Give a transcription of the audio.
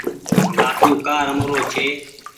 لآٽون ڪآ رمرو ڇي۔